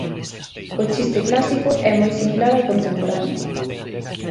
O chiste clásico é moi similar ao contemporáneo.